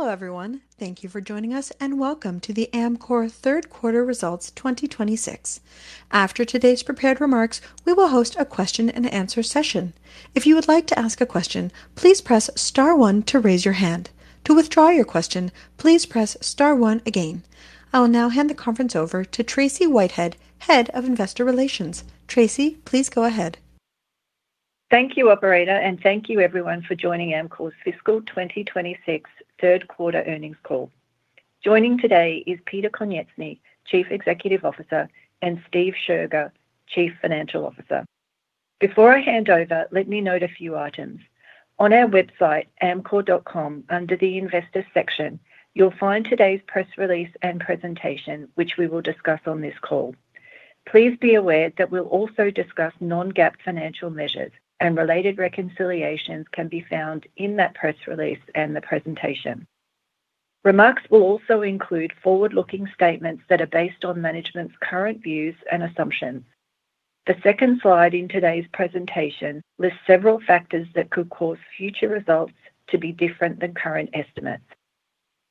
Hello, everyone. Thank you for joining us, and welcome to the Amcor third quarter results 2026. After today's prepared remarks, we will host a question-and-answer session. If you would like to ask a question, please press star one to raise your hand. To withdraw your question, please press star one again. I will now hand the conference over to Tracey Whitehead, Head of Investor Relations. Tracey, please go ahead. Thank you, operator, and thank you everyone for joining Amcor's fiscal 2026 third quarter earnings call. Joining today is Peter Konieczny, Chief Executive Officer, and Steve Scherger, Chief Financial Officer. Before I hand over, let me note a few items. On our website, amcor.com, under the Investors section, you'll find today's press release and presentation, which we will discuss on this call. Please be aware that we'll also discuss non-GAAP financial measures and related reconciliations can be found in that press release and the presentation. Remarks will also include forward-looking statements that are based on management's current views and assumptions. The second slide in today's presentation lists several factors that could cause future results to be different than current estimates.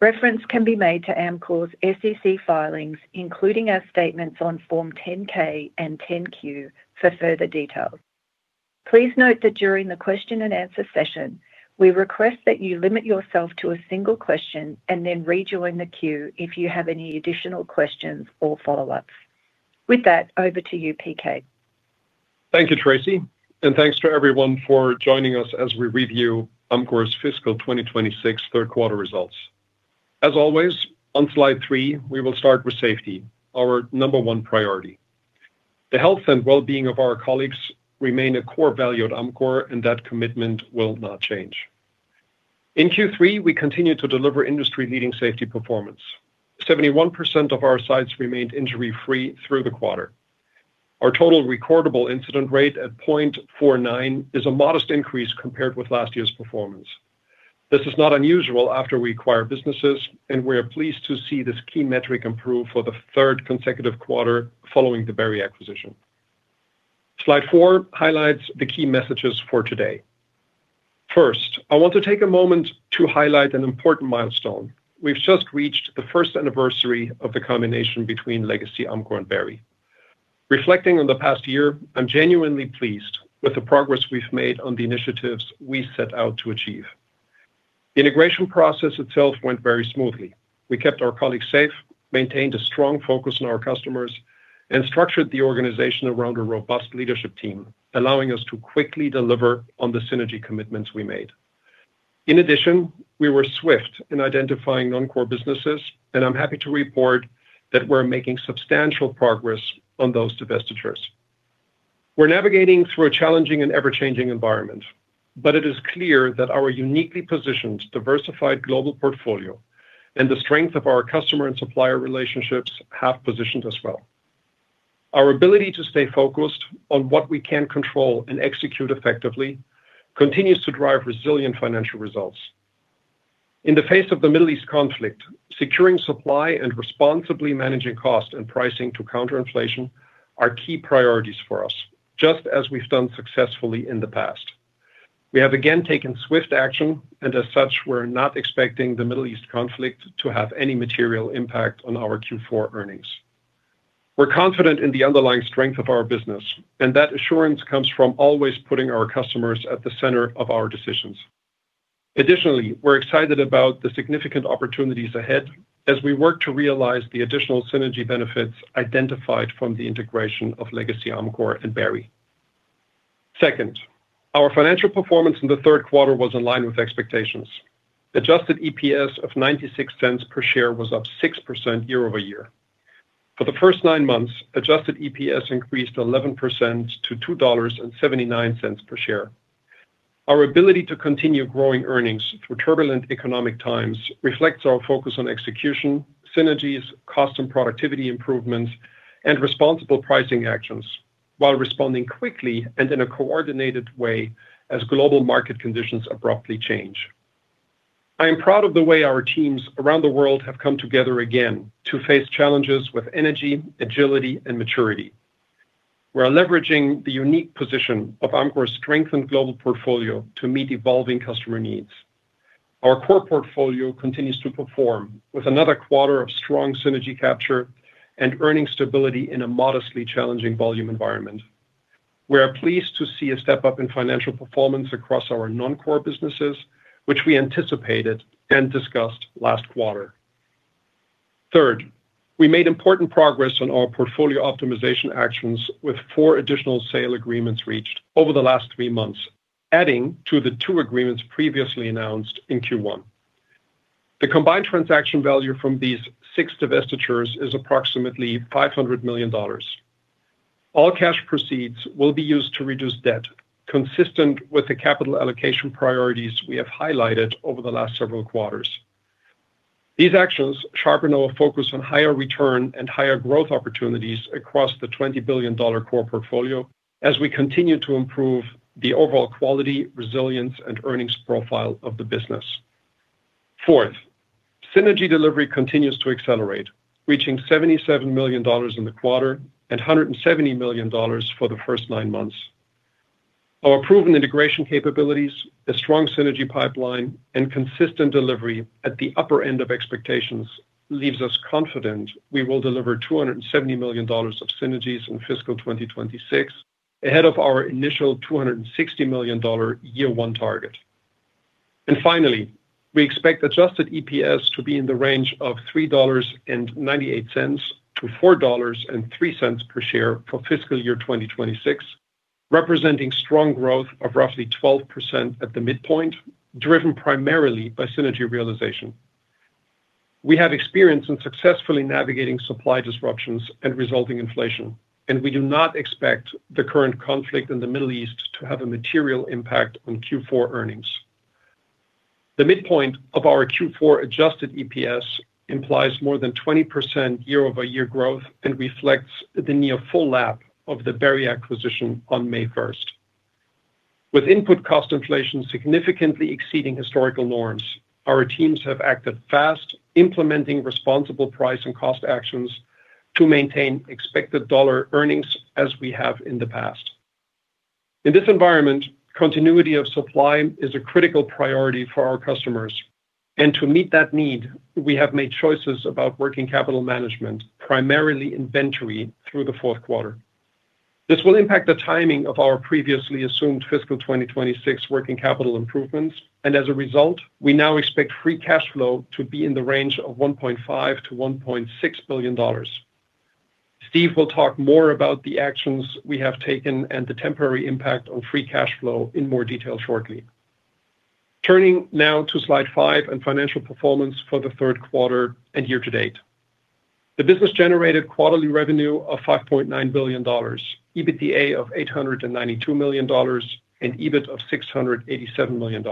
Reference can be made to Amcor's SEC filings, including our statements on Form 10-K and 10-Q for further details. Please note that during the question-and-answer session, we request that you limit yourself to a single question and then rejoin the queue if you have any additional questions or follow-ups. With that, over to you, PK. Thank you, Tracey, and thanks to everyone for joining us as we review Amcor's fiscal 2026 third quarter results. As always, on slide three, we will start with safety, our number one priority. The health and well-being of our colleagues remain a core value at Amcor. That commitment will not change. In Q3, we continued to deliver industry-leading safety performance. 71% of our sites remained injury-free through the quarter. Our total recordable incident rate at 0.49 is a modest increase compared with last year's performance. This is not unusual after we acquire businesses and we are pleased to see this key metric improve for the third consecutive quarter following the Berry acquisition. Slide four highlights the key messages for today. First, I want to take a moment to highlight an important milestone. We've just reached the first anniversary of the combination between legacy Amcor and Berry. Reflecting on the past year, I'm genuinely pleased with the progress we've made on the initiatives we set out to achieve. The integration process itself went very smoothly. We kept our colleagues safe, maintained a strong focus on our customers, and structured the organization around a robust leadership team, allowing us to quickly deliver on the synergy commitments we made. In addition, we were swift in identifying non-core businesses, and I'm happy to report that we're making substantial progress on those divestitures. We're navigating through a challenging and ever-changing environment, but it is clear that our uniquely positioned, diversified global portfolio and the strength of our customer and supplier relationships have positioned us well. Our ability to stay focused on what we can control and execute effectively continues to drive resilient financial results. In the face of the Middle East conflict, securing supply and responsibly managing cost and pricing to counter inflation are key priorities for us, just as we've done successfully in the past. We have again taken swift actions and as such, we're not expecting the Middle East conflict to have any material impact on our Q4 earnings. We're confident in the underlying strength of our business, and that assurance comes from always putting our customers at the center of our decisions. Additionally, we're excited about the significant opportunities ahead as we work to realize the additional synergy benefits identified from the integration of legacy Amcor and Berry. Second, our financial performance in the third quarter was in line with expectations. Adjusted EPS of $0.96 per share was up 6% year-over-year. For the first nine months, adjusted EPS increased 11% to $2.79 per share. Our ability to continue growing earnings through turbulent economic times reflects our focus on execution, synergies, cost and productivity improvements, and responsible pricing actions while responding quickly and in a coordinated way as global market conditions abruptly change. I am proud of the way our teams around the world have come together again to face challenges with energy, agility, and maturity. We are leveraging the unique position of Amcor's strengthened global portfolio to meet evolving customer needs. Our core portfolio continues to perform with another quarter of strong synergy capture and earning stability in a modestly challenging volume environment. We are pleased to see a step up in financial performance across our non-core businesses, which we anticipated and discussed last quarter. Third, we made important progress on our portfolio optimization actions with four additional sale agreements reached over the last three months, adding to the two agreements previously announced in Q1. The combined transaction value from these six divestitures is approximately $500 million. All cash proceeds will be used to reduce debt, consistent with the capital allocation priorities we have highlighted over the last several quarters. These actions sharpen our focus on higher return and higher growth opportunities across the $20 billion core portfolio as we continue to improve the overall quality, resilience, and earnings profile of the business. Fourth, synergy delivery continues to accelerate, reaching $77 million in the quarter and $170 million for the first nine months. Our proven integration capabilities, a strong synergy pipeline, and consistent delivery at the upper end of expectations leaves us confident we will deliver $270 million of synergies in fiscal 2026, ahead of our initial $260 million year one target. Finally, we expect adjusted EPS to be in the range of $3.98-$4.03 per share for fiscal year 2026, representing strong growth of roughly 12% at the midpoint, driven primarily by synergy realization. We have experience in successfully navigating supply disruptions and resulting inflation, and we do not expect the current conflict in the Middle East to have a material impact on Q4 earnings. The midpoint of our Q4 adjusted EPS implies more than 20% year-over-year growth and reflects the near full lap of the Berry acquisition on May 1st. With input cost inflation significantly exceeding historical norms, our teams have acted fast, implementing responsible price and cost actions to maintain expected dollar earnings as we have in the past. In this environment, continuity of supply is a critical priority for our customers, and to meet that need, we have made choices about working capital management, primarily inventory, through the fourth quarter. This will impact the timing of our previously assumed fiscal 2026 working capital improvements, and as a result, we now expect free cash flow to be in the range of $1.5 billion-$1.6 billion. Steve will talk more about the actions we have taken and the temporary impact on free cash flow in more detail shortly. Turning now to slide five and financial performance for the third quarter and year-to-date. The business generated quarterly revenue of $5.9 billion, EBITDA of $892 million, and EBIT of $687 million.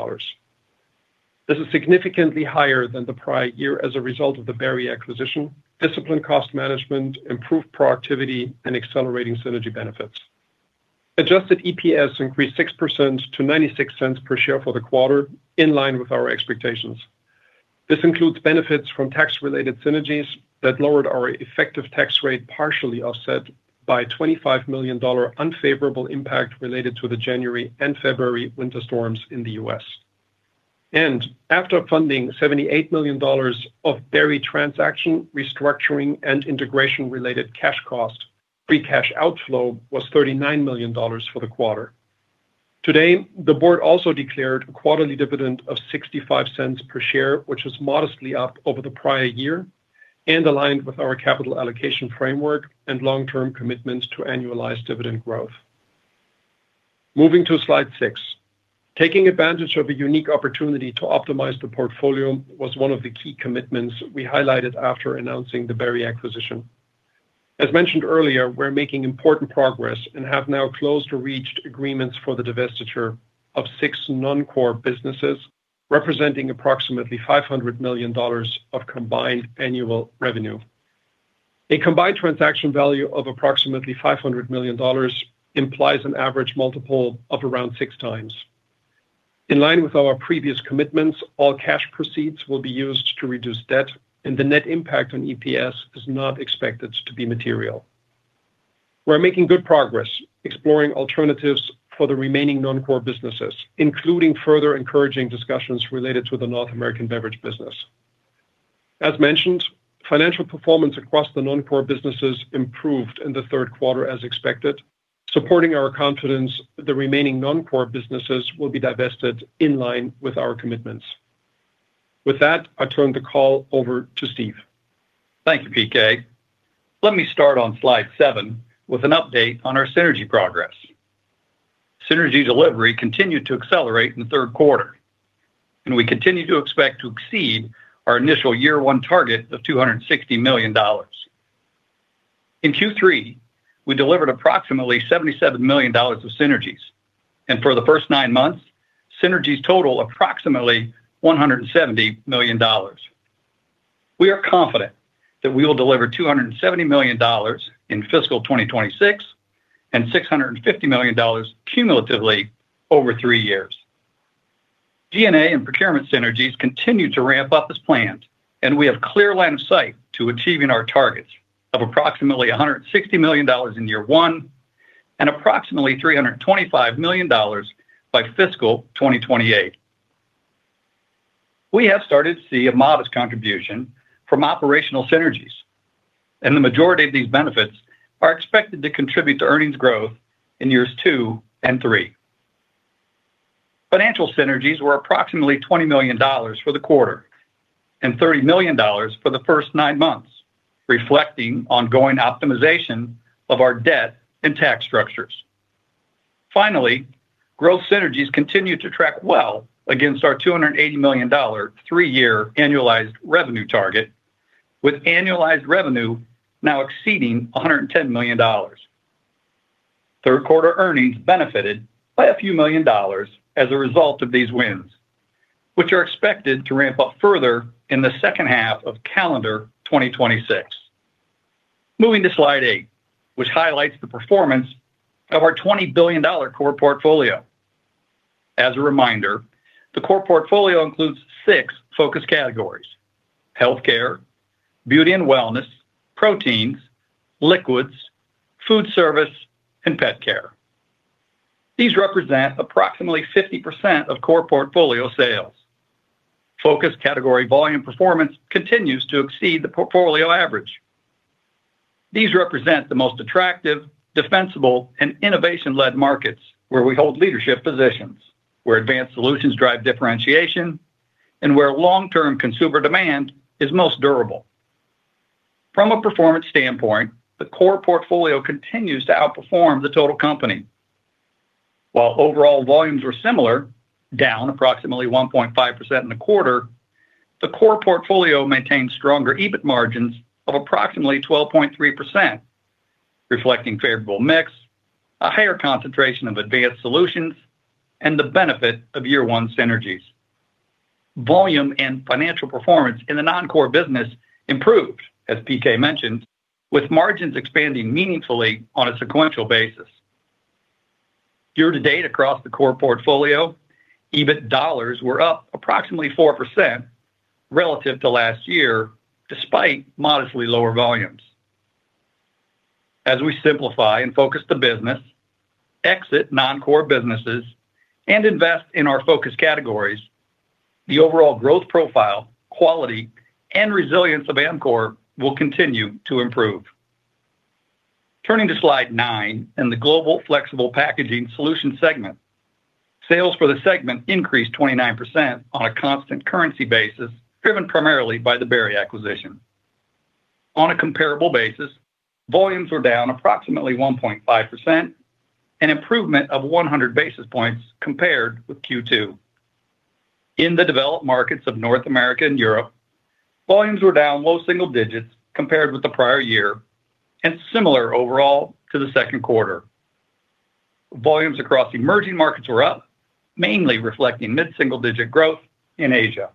This is significantly higher than the prior year as a result of the Berry acquisition, disciplined cost management, improved productivity, and accelerating synergy benefits. Adjusted EPS increased 6% to $0.96 per share for the quarter, in line with our expectations. This includes benefits from tax-related synergies that lowered our effective tax rate partially offset by a $25 million unfavorable impact related to the January and February winter storms in the U.S. After funding $78 million of Berry transaction restructuring and integration-related cash cost, free cash outflow was $39 million for the quarter. Today, the board also declared a quarterly dividend of $0.65 per share, which was modestly up over the prior year and aligned with our capital allocation framework and long-term commitments to annualized dividend growth. Moving to slide six. Taking advantage of a unique opportunity to optimize the portfolio was one of the key commitments we highlighted after announcing the Berry acquisition. As mentioned earlier, we're making important progress and have now closed or reached agreements for the divestiture of six non-core businesses, representing approximately $500 million of combined annual revenue. A combined transaction value of approximately $500 million implies an average multiple of around 6x. In line with our previous commitments, all cash proceeds will be used to reduce debt, and the net impact on EPS is not expected to be material. We're making good progress exploring alternatives for the remaining non-core businesses, including further encouraging discussions related to the North American beverage business. As mentioned, financial performance across the non-core businesses improved in the third quarter as expected, supporting our confidence the remaining non-core businesses will be divested in line with our commitments. With that, I turn the call over to Steve. Thank you, PK. Let me start on slide seven with an update on our synergy progress. Synergy delivery continued to accelerate in the third quarter, and we continue to expect to exceed our initial year one target of $260 million. In Q3, we delivered approximately $77 million of synergies, and for the first nine months, synergies total approximately $170 million. We are confident that we will deliver $270 million in fiscal 2026 and $650 million cumulatively over three years. G&A and procurement synergies continue to ramp up as planned, and we have clear line of sight to achieving our targets of approximately $160 million in year one and approximately $325 million by fiscal 2028. We have started to see a modest contribution from operational synergies, and the majority of these benefits are expected to contribute to earnings growth in years two and three. Financial synergies were approximately $20 million for the quarter and $30 million for the first nine months, reflecting ongoing optimization of our debt and tax structures. Finally, growth synergies continue to track well against our $280 million three-year annualized revenue target with annualized revenue now exceeding $110 million. Third quarter earnings benefited by a few million dollars as a result of these wins, which are expected to ramp up further in the second half of calendar 2026. Moving to slide eight, which highlights the performance of our $20 billion core portfolio. As a reminder, the core portfolio includes six focus categories: healthcare, beauty and wellness, proteins, liquids, food service, and pet care. These represent approximately 50% of core portfolio sales. Focus category volume performance continues to exceed the portfolio average. These represent the most attractive, defensible, and innovation-led markets where we hold leadership positions, where advanced solutions drive differentiation, and where long-term consumer demand is most durable. From a performance standpoint, the core portfolio continues to outperform the total company. While overall volumes were similar, down approximately 1.5% in the quarter, the core portfolio maintained stronger EBIT margins of approximately 12.3%, reflecting favorable mix, a higher concentration of advanced solutions, and the benefit of year one synergies. Volume and financial performance in the non-core business improved, as PK mentioned, with margins expanding meaningfully on a sequential basis. Year-to-date across the core portfolio, EBIT dollars were up approximately 4% relative to last year, despite modestly lower volumes. As we simplify and focus the business, exit non-core businesses, and invest in our focus categories, the overall growth profile, quality, and resilience of Amcor will continue to improve. Turning to slide nine in the Global Flexible Packaging Solution segment. Sales for the segment increased 29% on a constant currency basis, driven primarily by the Berry acquisition. On a comparable basis, volumes were down approximately 1.5%, an improvement of 100 basis points compared with Q2. In the developed markets of North America and Europe, volumes were down low single digits compared with the prior year and similar overall to the second quarter. Volumes across emerging markets were up, mainly reflecting mid-single digit growth in Asia.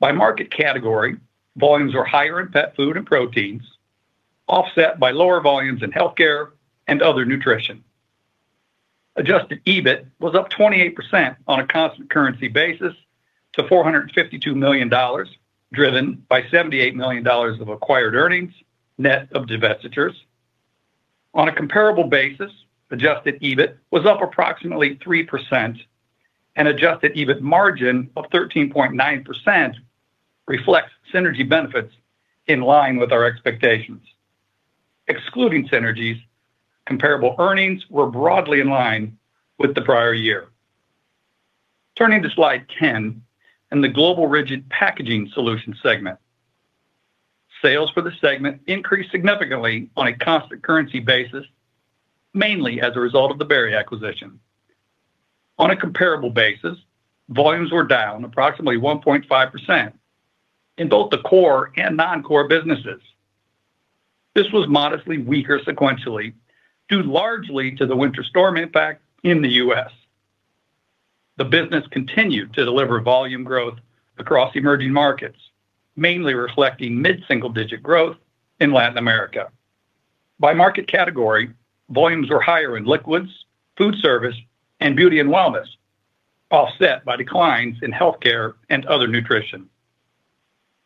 By market category, volumes were higher in pet food and proteins, offset by lower volumes in healthcare and other nutrition. Adjusted EBIT was up 28% on a constant currency basis to $452 million, driven by $78 million of acquired earnings, net of divestitures. On a comparable basis, adjusted EBIT was up approximately 3% and adjusted EBIT margin of 13.9% reflects synergy benefits in line with our expectations. Excluding synergies, comparable earnings were broadly in line with the prior year. Turning to slide 10 in the Global Rigid Packaging Solution segment, sales for the segment increased significantly on a constant currency basis, mainly as a result of the Berry acquisition. On a comparable basis, volumes were down approximately 1.5% in both the core and non-core businesses. This was modestly weaker sequentially, due largely to the winter storm impact in the U.S. The business continued to deliver volume growth across emerging markets, mainly reflecting mid-single digit growth in Latin America. By market category, volumes were higher in liquids, food service, and beauty and wellness, offset by declines in healthcare and other nutrition.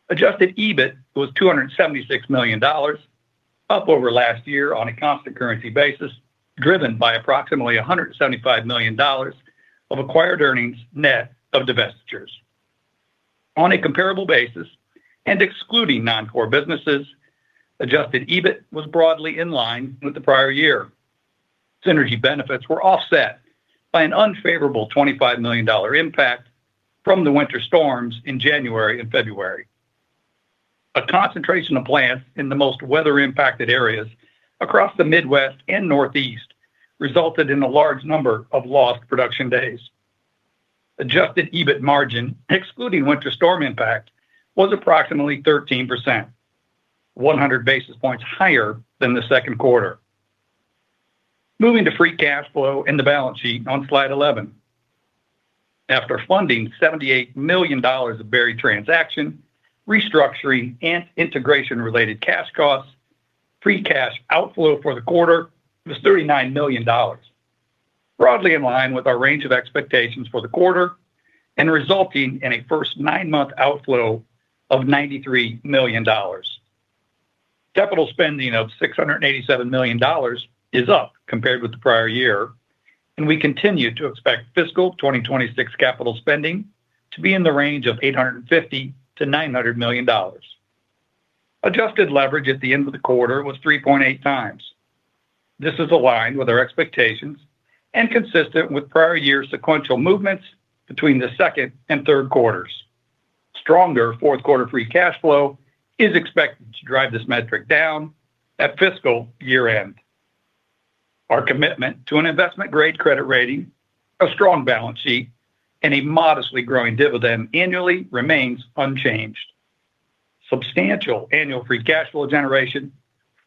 Adjusted EBIT was $276 million, up over last year on a constant currency basis, driven by approximately $175 million of acquired earnings, net of divestitures. On a comparable basis and excluding non-core businesses, adjusted EBIT was broadly in line with the prior year. Synergy benefits were offset by an unfavorable $25 million impact from the winter storms in January and February. A concentration of plants in the most weather-impacted areas across the Midwest and Northeast resulted in a large number of lost production days. Adjusted EBIT margin, excluding winter storm impact, was approximately 13%, 100 basis points higher than the second quarter. Moving to free cash flow and the balance sheet on slide 11. After funding $78 million of Berry transaction, restructuring and integration related cash costs, free cash outflow for the quarter was $39 million. Broadly in line with our range of expectations for the quarter and resulting in a first nine-month outflow of $93 million. Capital spending of $687 million is up compared with the prior year, and we continue to expect fiscal 2026 capital spending to be in the range of $850 million-$900 million. Adjusted leverage at the end of the quarter was 3.8x. This is aligned with our expectations and consistent with prior year sequential movements between the second and third quarters. Stronger fourth quarter free cash flow is expected to drive this metric down at fiscal year-end. Our commitment to an investment-grade credit rating, a strong balance sheet, and a modestly growing dividend annually remains unchanged. Substantial annual free cash flow generation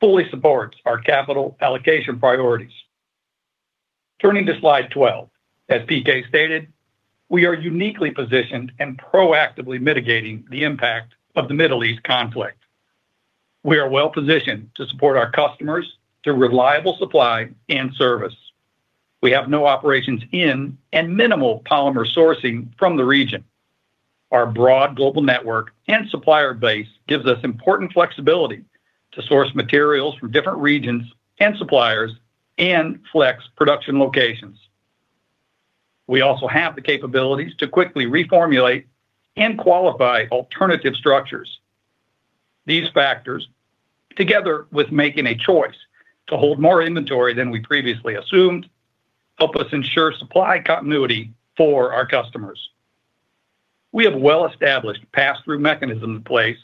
fully supports our capital allocation priorities. Turning to slide 12. As PK stated, we are uniquely positioned and proactively mitigating the impact of the Middle East conflict. We are well positioned to support our customers through reliable supply and service. We have no operations in and minimal polymer sourcing from the region. Our broad global network and supplier base gives us important flexibility to source materials from different regions and suppliers and flex production locations. We also have the capabilities to quickly reformulate and qualify alternative structures. These factors, together with making a choice to hold more inventory than we previously assumed, help us ensure supply continuity for our customers. We have well-established passthrough mechanisms in place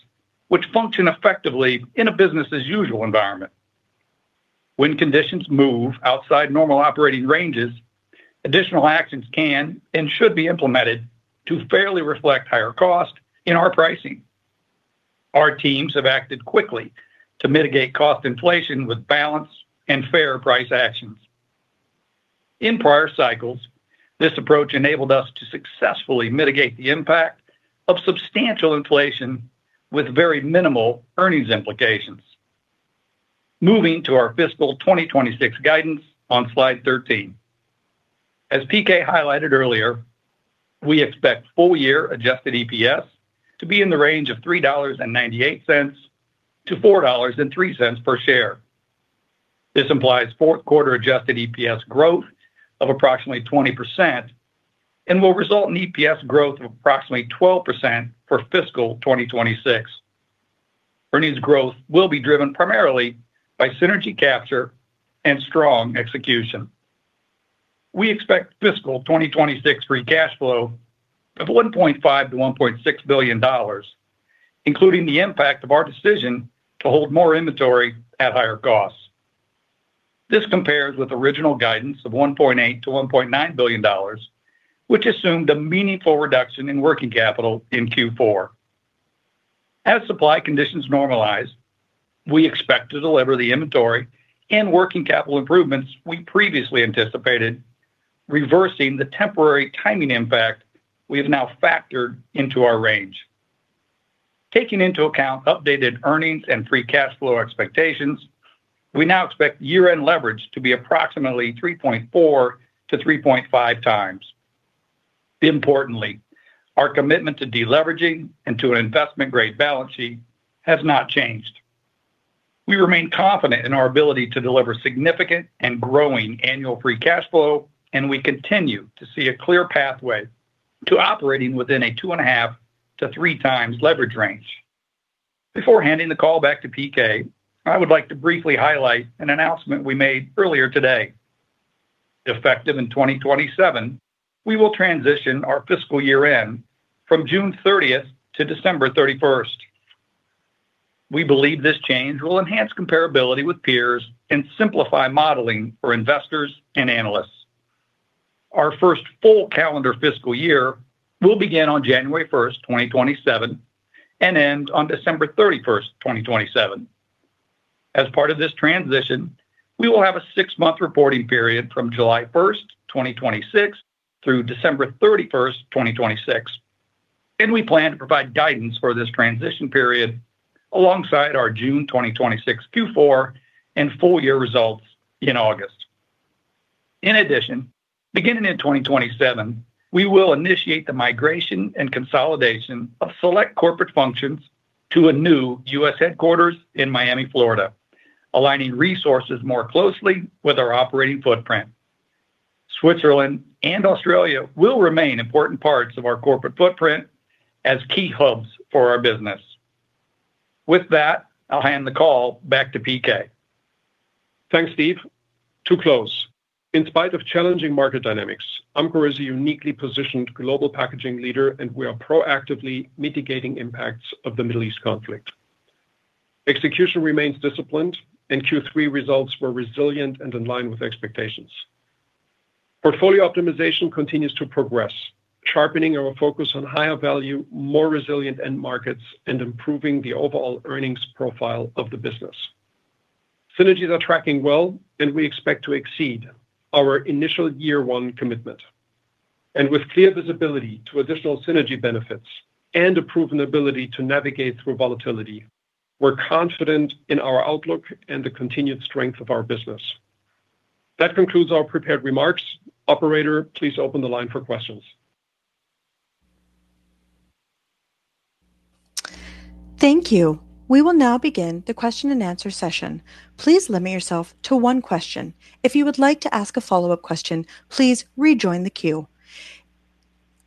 which function effectively in a business as usual environment. When conditions move outside normal operating ranges, additional actions can and should be implemented to fairly reflect higher cost in our pricing. Our teams have acted quickly to mitigate cost inflation with balanced and fair price actions. In prior cycles, this approach enabled us to successfully mitigate the impact of substantial inflation with very minimal earnings implications. Moving to our fiscal 2026 guidance on slide 13. As PK highlighted earlier, we expect full year adjusted EPS to be in the range of $3.98-$4.03 per share. This implies fourth quarter adjusted EPS growth of approximately 20% and will result in EPS growth of approximately 12% for fiscal 2026. Earnings growth will be driven primarily by synergy capture and strong execution. We expect fiscal 2026 free cash flow of $1.5 billion-$1.6 billion, including the impact of our decision to hold more inventory at higher costs. This compares with original guidance of $1.8 billion-$1.9 billion, which assumed a meaningful reduction in working capital in Q4. As supply conditions normalize, we expect to deliver the inventory and working capital improvements we previously anticipated, reversing the temporary timing impact we have now factored into our range. Taking into account updated earnings and free cash flow expectations, we now expect year-end leverage to be approximately 3.4x-3.5x. Importantly, our commitment to deleveraging and to an investment-grade balance sheet has not changed so we remain confident in our ability to deliver significant and growing annual free cash flow, and we continue to see a clear pathway to operating within a 2.5x-3x leverage range. Before handing the call back to PK, I would like to briefly highlight an announcement we made earlier today. Effective in 2027, we will transition our fiscal year-end from June 30th to December 31st. We believe this change will enhance comparability with peers and simplify modeling for investors and analysts. Our first full calendar fiscal year will begin on January 1st, 2027, and end on December 31st, 2027. As part of this transition, we will have a six-month reporting period from July 1st, 2026 through December 31st, 2026, and we plan to provide guidance for this transition period alongside our June 2026 Q4 and full year results in August. In addition, beginning in 2027, we will initiate the migration and consolidation of select corporate functions to a new U.S. headquarters in Miami, Florida, aligning resources more closely with our operating footprint. Switzerland and Australia will remain important parts of our corporate footprint as key hubs for our business. With that, I'll hand the call back to PK. Thanks, Steve. To close, in spite of challenging market dynamics, Amcor is a uniquely positioned global packaging leader, and we are proactively mitigating impacts of the Middle East conflict. Execution remains disciplined, and Q3 results were resilient and in line with expectations. Portfolio optimization continues to progress, sharpening our focus on higher value, more resilient end markets, and improving the overall earnings profile of the business. Synergies are tracking well, and we expect to exceed our initial year one commitment. With clear visibility to additional synergy benefits and a proven ability to navigate through volatility, we're confident in our outlook and the continued strength of our business. That concludes our prepared remarks. Operator, please open the line for questions. Thank you. We will now begin the question-and-answer session. Please limit yourself to one question. If you would like to ask a follow-up question, please rejoin the queue.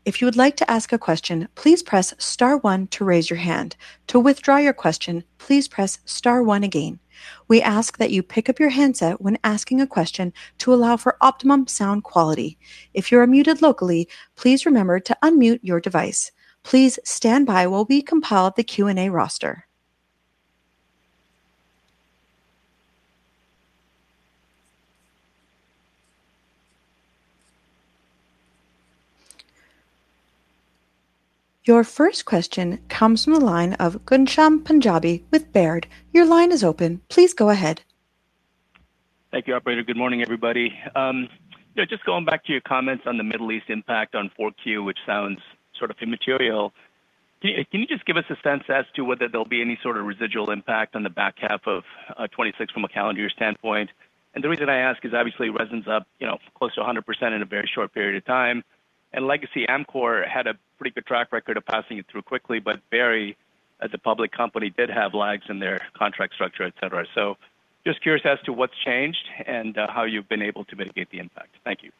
If you would like to ask a question, please press star one to raise your hand. To withdraw your question, please press star one again. We ask that you pick up your handset when asking a question to allow for optimum sound quality. If you are muted locally, please remember to unmute your device. Please stand by while we compile the Q&A roster. Your first question comes from the line of Ghansham Panjabi with Baird. Your line is open. Please go ahead. Thank you, operator. Good morning, everybody. Just going back to your comments on the Middle East impact on Q4, which sounds sort of immaterial, can you just give us a sense as to whether there'll be any sort of residual impact on the back half of 2026 from a calendar standpoint? The reason I ask is obviously resin's up, you know, close to 100% in a very short period of time, and Legacy Amcor had a pretty good track record of passing it through quickly. Berry, as a public company, did have lags in their contract structure, et cetera. Just curious as to what's changed and how you've been able to mitigate the impact. Thank you.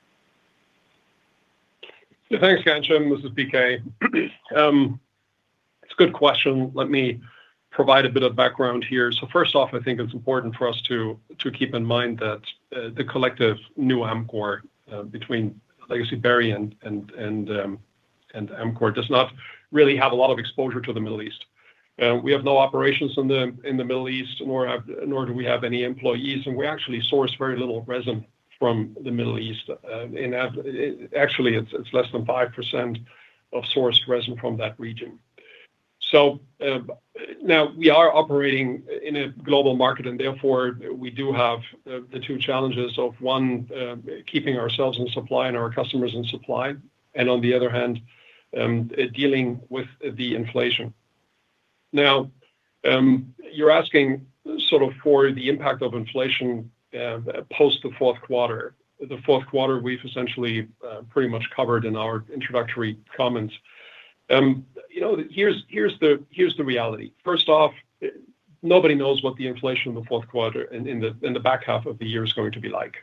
Thanks, Ghansham. This is PK. It's a good question. Let me provide a bit of background here. First off, I think it's important for us to keep in mind that the collective new Amcor between Legacy Berry and Amcor does not really have a lot of exposure to the Middle East. We have no operations in the Middle East nor do we have any employees, and we actually source very little resin from the Middle East. Actually it's less than 5% of sourced resin from that region. Now we are operating in a global market and therefore we do have the two challenges of one, keeping ourselves in supply and our customers in supply and on the other hand, dealing with the inflation. You're asking sort of for the impact of inflation post the fourth quarter. The fourth quarter we've essentially pretty much covered in our introductory comments. You know, here's the reality. First off, nobody knows what the inflation in the fourth quarter and in the back half of the year is going to be like.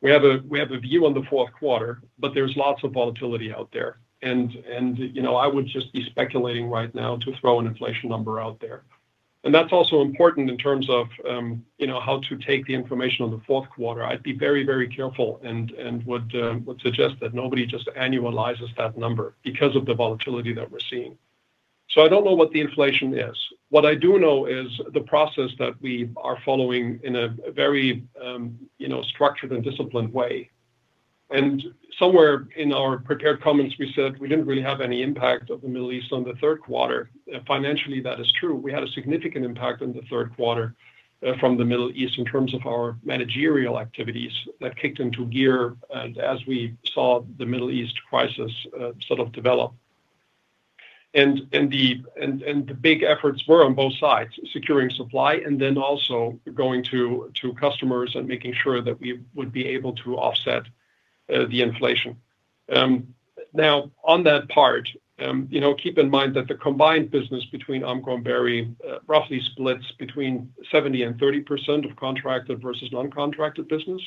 We have a view on the fourth quarter, but there's lots of volatility out there. You know, I would just be speculating right now to throw an inflation number out there. That's also important in terms of, you know, how to take the information on the fourth quarter. I'd be very careful and would suggest that nobody just annualizes that number because of the volatility that we're seeing. I don't know what the inflation is. What I do know is the process that we are following in a very, you know, structured and disciplined way. Somewhere in our prepared comments, we said we didn't really have any impact of the Middle East on the third quarter and financially, that is true. We had a significant impact on the third quarter from the Middle East in terms of our managerial activities that kicked into gear as we saw the Middle East crisis sort of develop. The big efforts were on both sides, securing supply and then also going to customers and making sure that we would be able to offset the inflation. On that part, you know, keep in mind that the combined business between Amcor and Berry, roughly splits between 70% and 30% of contracted versus non-contracted business.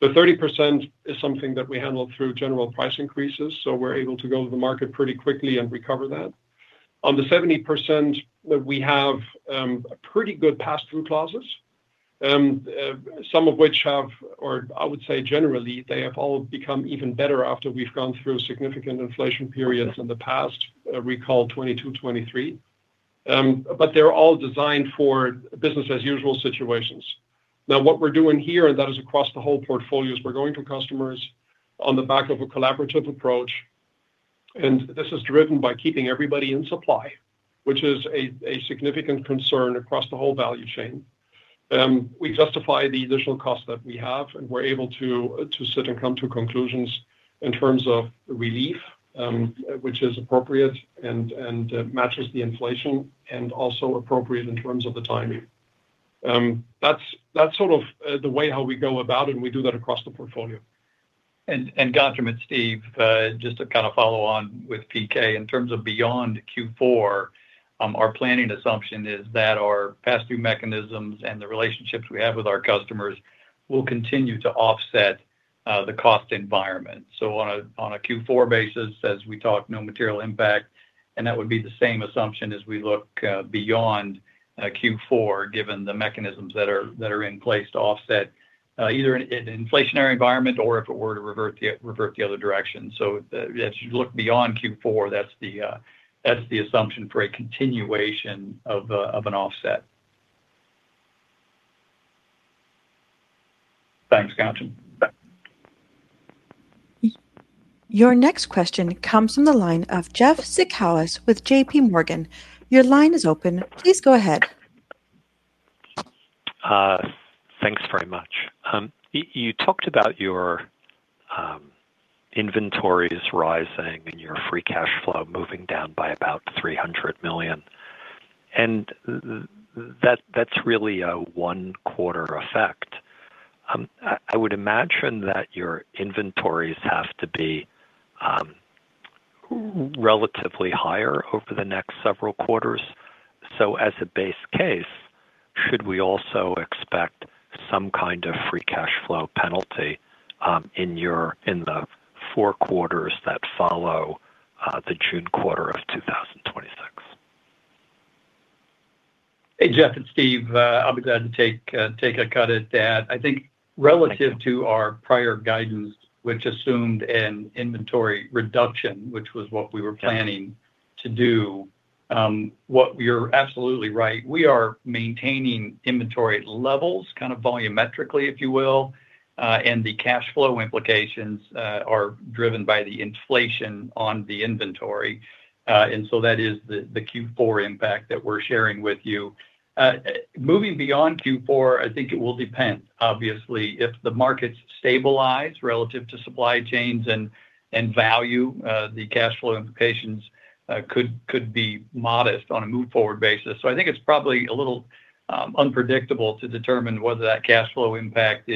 The 30% is something that we handle through general price increases, so we're able to go to the market pretty quickly and recover that. On the 70% that we have, pretty good pass-through clauses, some of which have, or I would say generally, they have all become even better after we've gone through significant inflation periods in the past and recall 2022, 2023. They're all designed for business as usual situations. What we're doing here, and that is across the whole portfolio, is we're going to customers on the back of a collaborative approach, and this is driven by keeping everybody in supply, which is a significant concern across the whole value chain. We justify the additional cost that we have, and we're able to sit and come to conclusions in terms of relief, which is appropriate and matches the inflation and also appropriate in terms of the timing. That's sort of the way how we go about it, and we do that across the portfolio. Gotcha, it's Steve. Just to kind of follow on with PK, in terms of beyond Q4, our planning assumption is that our pass-through mechanisms and the relationships we have with our customers will continue to offset the cost environment. On a Q4 basis, as we talk no material impact, and that would be the same assumption as we look beyond Q4, given the mechanisms that are in place to offset either an inflationary environment or if it were to revert the other direction. As you look beyond Q4, that's the assumption for a continuation of an offset. Thanks, Ghansham. Your next question comes from the line of Jeff Zekauskas with JPMorgan. Your line is open. Please go ahead. Thanks very much. You talked about your inventories rising and your free cash flow moving down by about $300 million and that's really a one-quarter effect. I would imagine that your inventories have to be relatively higher over the next several quarters. As a base case, should we also expect some kind of free cash flow penalty in the four quarters that follow the June quarter of 2026? Hey, Jeff, it's Steve. I'll be glad to take a cut at that. I think relative to our prior guidance, which assumed an inventory reduction, which was what we were planning to do, what you're absolutely right. We are maintaining inventory levels kind of volumetrically, if you will. The cash flow implications are driven by the inflation on the inventory and so that is the Q4 impact that we're sharing with you. Moving beyond Q4, I think it will depend. Obviously, if the markets stabilize relative to supply chains and value, the cash flow implications could be modest on a move forward basis. I think it's probably a little unpredictable to determine whether that cash flow impact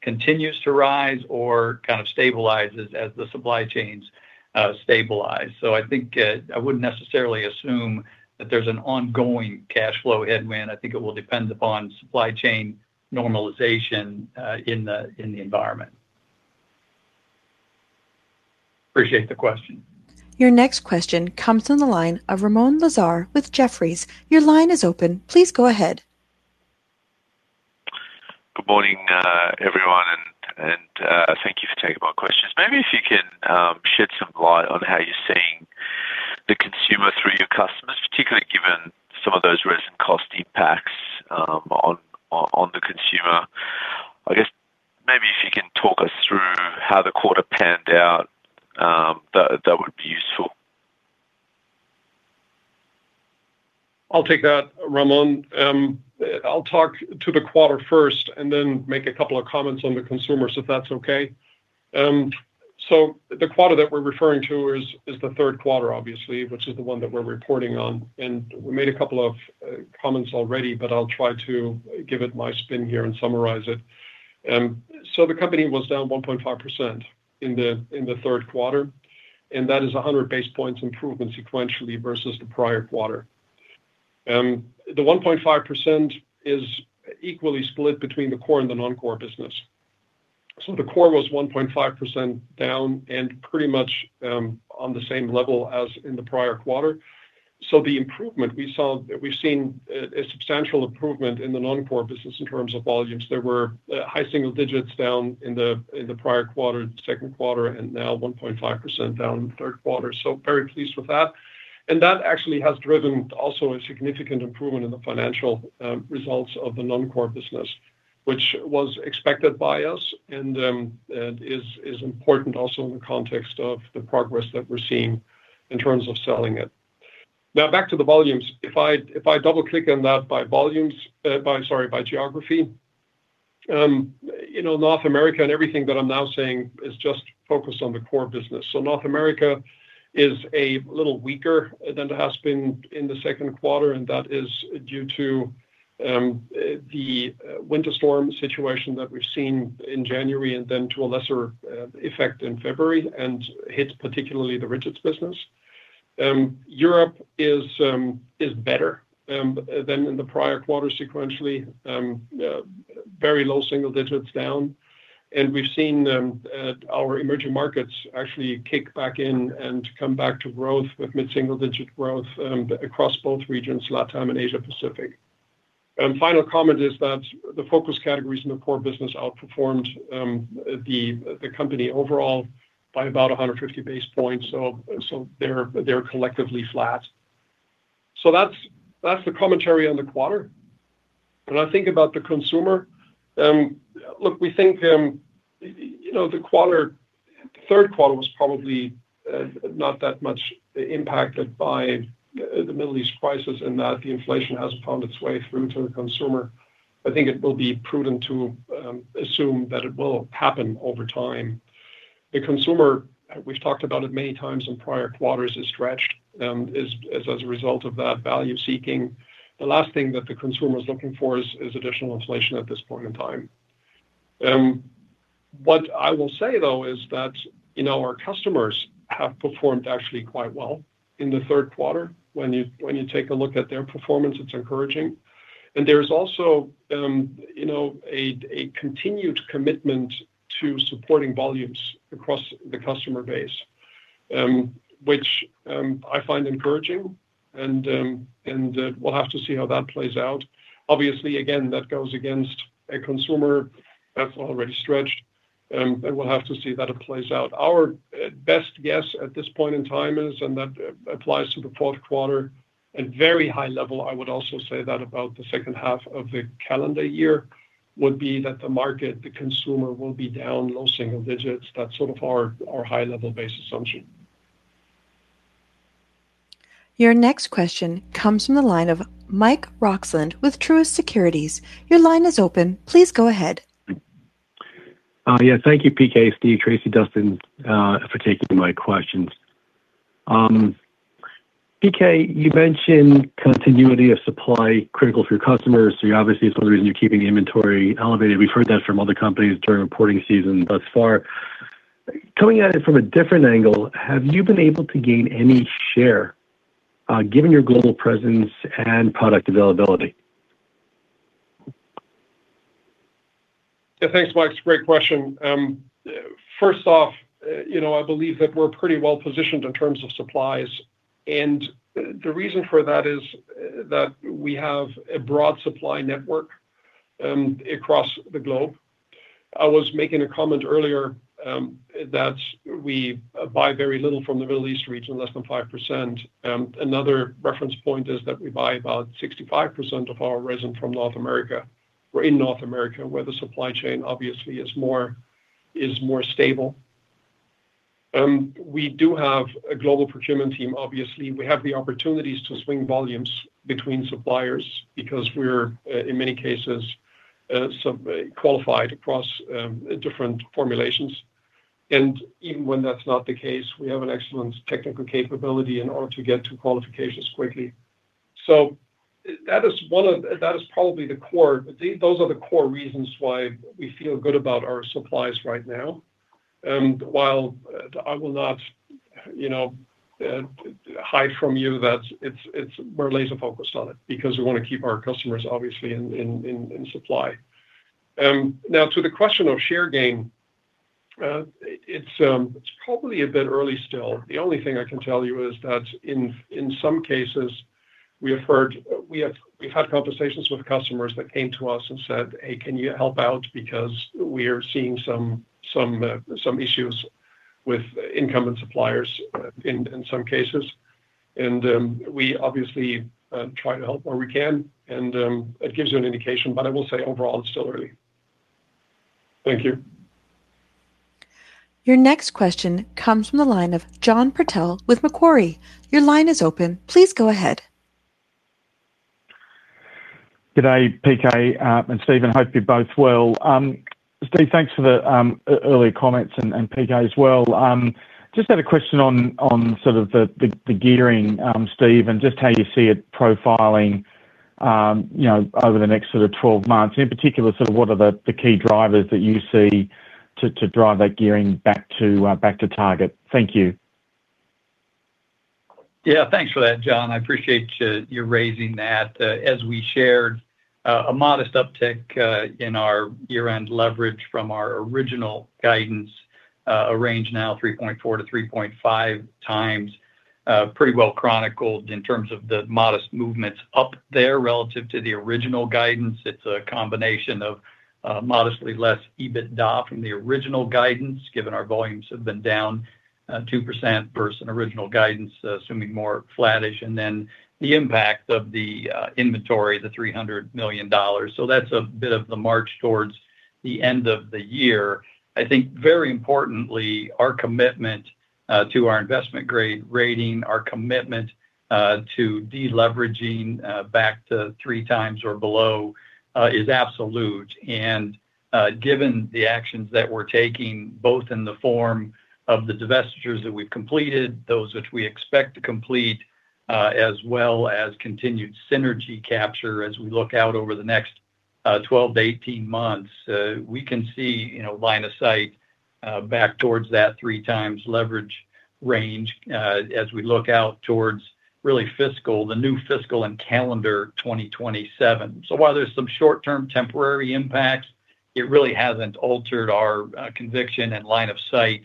continues to rise or kind of stabilizes as the supply chains stabilize. I think I wouldn't necessarily assume that there's an ongoing cash flow headwind. I think it will depend upon supply chain normalization in the environment. Appreciate the question. Your next question comes from the line of Ramoun Lazar with Jefferies. Your line is open. Please go ahead. Good morning, everyone, thank you for taking my questions. Maybe if you can shed some light on how you're seeing the consumer through your customers, particularly given some of those resin cost impacts on the consumer. I guess maybe if you can talk us through how the quarter panned out, that would be useful. I'll take that, Ramoun. I'll talk to the quarter first and then make a couple of comments on the consumer, so if that's okay. The quarter that we're referring to is the third quarter, obviously, which is the one that we're reporting on. We made a couple of comments already, but I'll try to give it my spin here and summarize it. The company was down 1.5% in the third quarter, and that is 100 basis points improvement sequentially versus the prior quarter. The 1.5% is equally split between the core and the non-core business. The core was 1.5% down and pretty much on the same level as in the prior quarter so the improvement we've seen a substantial improvement in the non-core business in terms of volumes. There were high single digits down in the prior quarter, the second quarter, and now 1.5% down in the third quarter, so very pleased with that. That actually has driven also a significant improvement in the financial results of the non-core business, which was expected by us and is important also in the context of the progress that we're seeing in terms of selling it. Now, back to the volumes. If I double-click on that by volumes, by geography, you know, North America and everything that I'm now saying is just focused on the core business, so North America is a little weaker than it has been in the second quarter, and that is due to the winter storm situation that we've seen in January and then to a lesser effect in February and hits particularly the Rigid business. Europe is better than in the prior quarter sequentially. Very low single-digits down. And we've seen our emerging markets actually kick back in and come back to growth with mid-single-digit growth across both regions, LATAM and Asia-Pacific. Final comment is that the focus categories in the core business outperformed the company overall by about 150 basis points so they're collectively flat. That's the commentary on the quarter. When I think about the consumer, we think, you know, the quarter, third quarter was probably not that much impacted by the Middle East crisis in that the inflation hasn't found its way through to the consumer. I think it will be prudent to assume that it will happen over time. The consumer, we've talked about it many times in prior quarters, is stretched as a result of that value seeking. The last thing that the consumer is looking for is additional inflation at this point in time. What I will say though is that, you know, our customers have performed actually quite well in the third quarter. When you take a look at their performance, it's encouraging, but there's also, you know, a continued commitment to supporting volumes across the customer base, which I find encouraging and we'll have to see how that plays out. Obviously, again, that goes against a consumer that's already stretched, and we'll have to see that it plays out. Our best guess at this point in time is, and that applies to the fourth quarter, at very high level, I would also say that about the second half of the calendar year, would be that the market, the consumer will be down low single digits. That's sort of our high-level base assumption. Your next question comes from the line of Mike Roxland with Truist Securities. Your line is open. Please go ahead. Yeah. Thank you, PK, Steve, Tracey, Dustin, for taking my questions. PK, you mentioned continuity of supply critical for your customers, so obviously it's one reason you're keeping the inventory elevated. We've heard that from other companies during reporting season thus far. Coming at it from a different angle, have you been able to gain any share, given your global presence and product availability? Yeah, thanks, Mike. It's a great question. First off, you know, I believe that we're pretty well positioned in terms of supplies. The reason for that is that we have a broad supply network across the globe. I was making a comment earlier that we buy very little from the Middle East region, less than 5%. Another reference point is that we buy about 65% of our resin from North America. We're in North America, where the supply chain obviously is more stable. We do have a global procurement team, obviously. We have the opportunities to swing volumes between suppliers because we're in many cases qualified across different formulations. Even when that's not the case, we have an excellent technical capability in order to get to qualifications quickly. That is probably the core. Those are the core reasons why we feel good about our suppliers right now. While I will not, you know, hide from you that it's we're laser focused on it because we wanna keep our customers obviously in supply. Now to the question of share gain, it's probably a bit early still. The only thing I can tell you is that in some cases we've had conversations with customers that came to us and said, "Hey, can you help out because we are seeing some issues with incumbent suppliers in some cases." We obviously try to help where we can and it gives you an indication, but I will say overall it's still early. Thank you. Your next question comes from the line of John Purtell with Macquarie. Your line is open. Please go ahead. Good day, PK, and Stephen. Hope you're both well. Steve, thanks for the early comments and PK as well. Just had a question on sort of the gearing, Steve, and just how you see it profiling, you know, over the next sort of 12 months. In particular, sort of what are the key drivers that you see to drive that gearing back to back to target? Thank you. Yeah. Thanks for that, John. I appreciate you raising that. As we shared, a modest uptick in our year-end leverage from our original guidance, a range now 3.4x-3.5x, pretty well chronicled in terms of the modest movements up there relative to the original guidance. It's a combination of modestly less EBITDA from the original guidance, given our volumes have been down 2% versus original guidance, assuming more flattish and then the impact of the inventory, the $300 million so that's a bit of the march towards the end of the year. I think very importantly, our commitment to our investment grade rating, our commitment to de-leveraging back to 3x or below, is absolute. Given the actions that we're taking both in the form of the divestitures that we've completed, those which we expect to complete, as well as continued synergy capture as we look out over the next 12-18 months, we can see, you know, line of sight back towards that 3x leverage range, as we look out towards really fiscal, the new fiscal and calendar 2027. While there's some short-term temporary impacts, it really hasn't altered our conviction and line of sight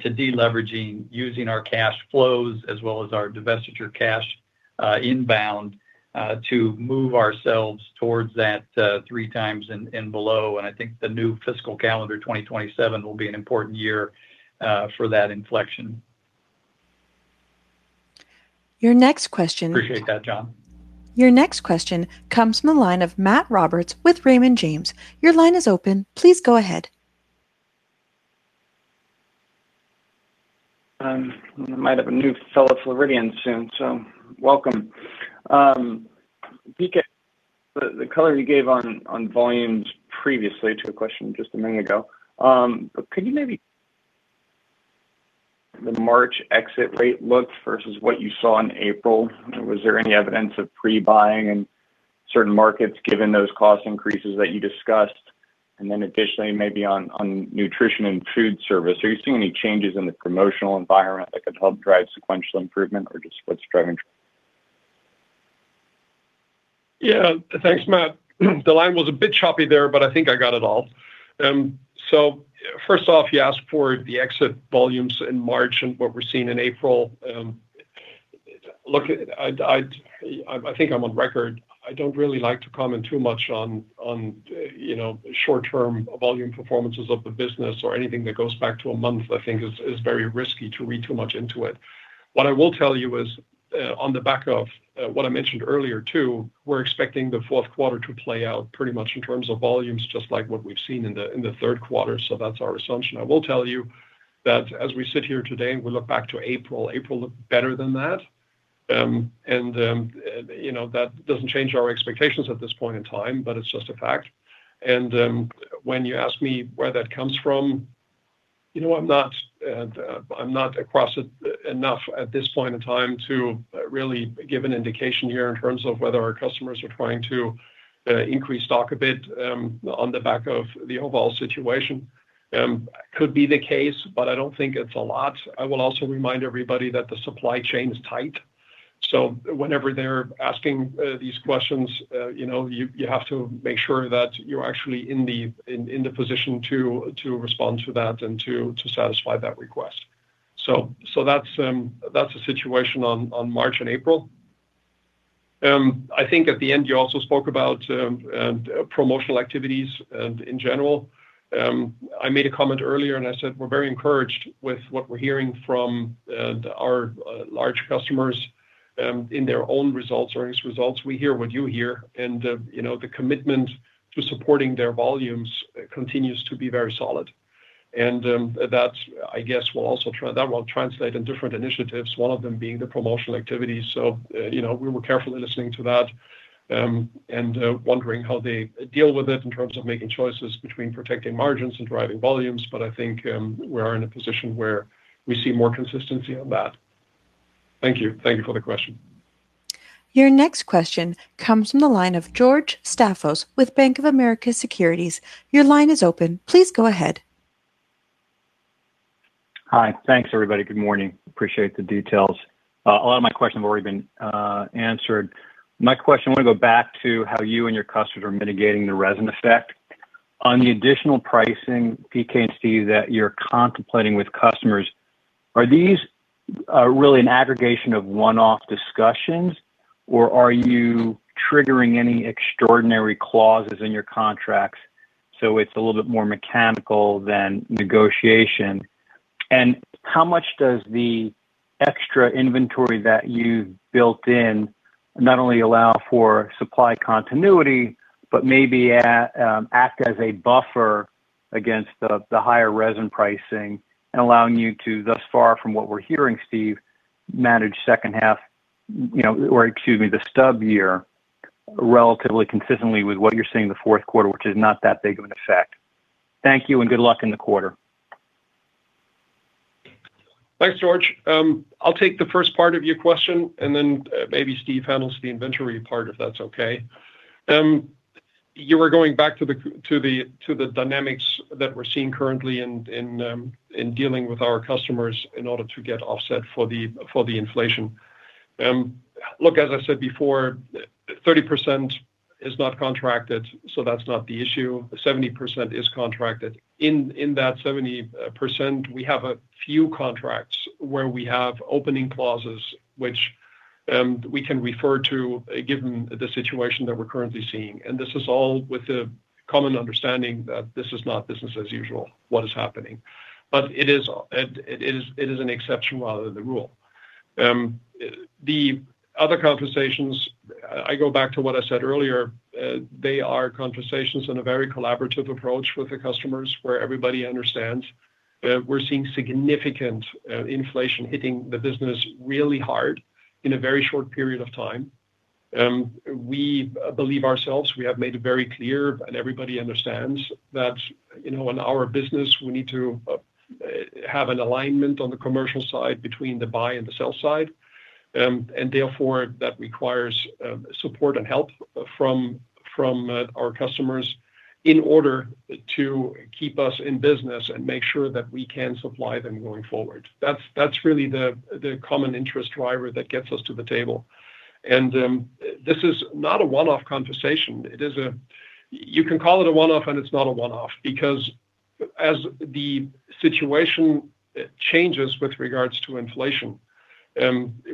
to de-leveraging using our cash flows as well as our divestiture cash inbound to move ourselves towards that 3x and below. I think the new fiscal calendar 2027 will be an important year for that inflection. Your next question- Appreciate that, John. Your next question comes from the line of Matt Roberts with Raymond James. Your line is open. Please go ahead. We might have a new fellow Floridian soon, so welcome. PK, the color you gave on volumes previously to a question just a minute ago, could you maybe. The March exit rate looked versus what you saw in April? Was there any evidence of pre-buying in certain markets given those cost increases that you discussed? Additionally, maybe on nutrition and food service, are you seeing any changes in the promotional environment that could help drive sequential improvement or just what's driving. Thanks, Matt. The line was a bit choppy there, but I think I got it all. First off, you asked for the exit volumes in March and what we're seeing in April. Look, I think I'm on record. I don't really like to comment too much on, you know, short-term volume performances of the business or anything that goes back to a month, I think is very risky to read too much into it. What I will tell you is, on the back of what I mentioned earlier too, we're expecting the fourth quarter to play out pretty much in terms of volumes just like what we've seen in the third quarter. That's our assumption. I will tell you that as we sit here today and we look back to April looked better than that. You know, that doesn't change our expectations at this point in time, but it's just a fact. When you ask me where that comes from, you know, I'm not, I'm not across it enough at this point in time to really give an indication here in terms of whether our customers are trying to increase stock a bit on the back of the overall situation. Could be the case, but I don't think it's a lot. I will also remind everybody that the supply chain is tight. Whenever they're asking these questions, you know, you have to make sure that you're actually in the position to respond to that and to satisfy that request. That's the situation on March and April. I think at the end you also spoke about promotional activities in general. I made a comment earlier and I said we're very encouraged with what we're hearing from our large customers. In their own results or his results, we hear what you hear. You know, the commitment to supporting their volumes continues to be very solid. That, I guess, will also that will translate in different initiatives, one of them being the promotional activities. You know, we were carefully listening to that and wondering how they deal with it in terms of making choices between protecting margins and driving volumes. I think we are in a position where we see more consistency on that. Thank you. Thank you for the question. Your next question comes from the line of George Staphos with Bank of America Securities. Your line is open. Please go ahead. Hi. Thanks, everybody. Good morning. Appreciate the details. A lot of my questions have already been answered. My question, I want to go back to how you and your customers are mitigating the resin effect. On the additional pricing, PK and Steve, that you're contemplating with customers, are these really an aggregation of one-off discussions, or are you triggering any extraordinary clauses in your contracts so it's a little bit more mechanical than negotiation? How much does the extra inventory that you've built in not only allow for supply continuity, but maybe act as a buffer against the higher resin pricing and allowing you to, thus far from what we're hearing, Steve, manage second half, you know, or excuse me, the stub year relatively consistently with what you're seeing in the fourth quarter, which is not that big of an effect? Thank you, and good luck in the quarter. Thanks, George. I'll take the first part of your question, then maybe Steve handles the inventory part, if that's okay. You were going back to the dynamics that we're seeing currently in dealing with our customers in order to get offset for the inflation. Look, as I said before, 30% is not contracted, so that's not the issue. 70% is contracted. In that 70%, we have a few contracts where we have opening clauses which we can refer to given the situation that we're currently seeing. This is all with the common understanding that this is not business as usual, what is happening. It is an exception rather than the rule. The other conversations, and I go back to what I said earlier, they are conversations in a very collaborative approach with the customers where everybody understands that we're seeing significant inflation hitting the business really hard in a very short period of time. We believe ourselves, we have made it very clear, and everybody understands that, you know, in our business, we need to have an alignment on the commercial side between the buy and the sell side. Therefore, that requires support and help from our customers in order to keep us in business and make sure that we can supply them going forward. That's really the common interest driver that gets us to the table. This is not a one-off conversation. It is a- you can call it a one-off, and it's not a one-off because as the situation changes with regards to inflation,